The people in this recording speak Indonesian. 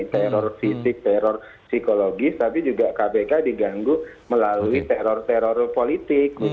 teror fisik teror psikologis tapi juga kpk diganggu melalui teror teror politik